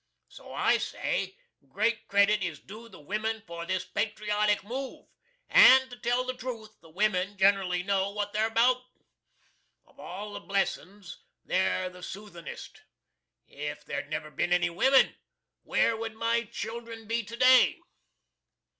So I say great credit is doo the wimin for this patriotic move and to tell the trooth, the wimin genrally know what they're bout. Of all the blessins they're the soothinist. If there'd never bin any wimin, where would my children be to day?